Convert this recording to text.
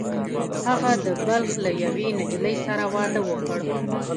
هغه د بلخ له یوې نجلۍ سره واده وکړ